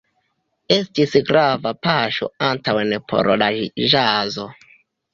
Estis grava paŝo antaŭen por la ĵazo.